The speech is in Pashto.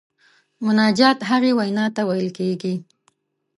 مناجات هغې وینا ته ویل کیږي.